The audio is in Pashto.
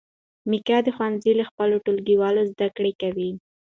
میکا د ښوونځي له خپلو ټولګیوالو زده کړې کوي.